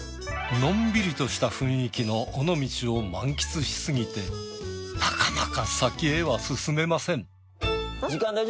のんびりとした雰囲気の尾道を満喫しすぎてなかなか先へは進めません。